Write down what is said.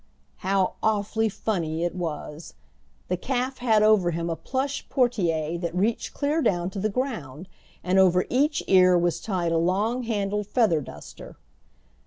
How awfully funny it was! The calf had over him a plush portiere that reached clear down to the ground, and over each ear was tied a long handled feather duster!